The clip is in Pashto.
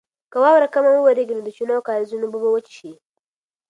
که واوره کمه وورېږي نو د چینو او کاریزونو اوبه به وچې شي.